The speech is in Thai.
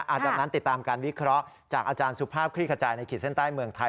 หลังจากนั้นติดตามการวิเคราะห์จากอาจารย์สุภาพคลี่ขจายในขีดเส้นใต้เมืองไทย